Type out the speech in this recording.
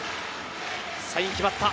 サイン決まった。